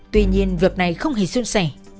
tuy nhiên việc này không hề xuân sẻ